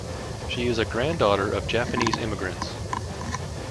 She is a granddaughter of Japanese immigrants.